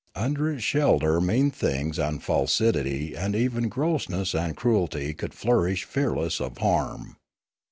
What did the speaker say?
Under its shelter mean things ana falsity and even grossness and cruelty could flourish fearless of harm.